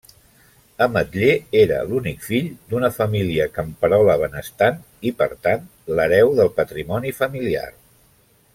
Ametller era l'únic fill d'una família camperola benestant, i per tant, l'hereu del patrimoni familiar.